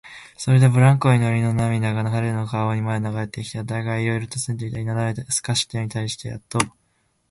それでブランコ乗りの涙が彼の顔にまで流れてきた。だが、いろいろたずねてみたり、なだめすかしてみたりしてやっと、ブランコ乗りはすすり泣きしながらいった。